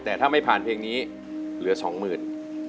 แต่ถ้าไม่ผ่านเพลงนี้เหลือสองหมื่น